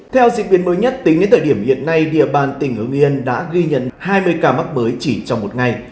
theo dịch viện mới nhất tính đến thời điểm hiện nay địa bàn tỉnh hương yên đã ghi nhận hai mươi ca mắc mới chỉ trong một ngày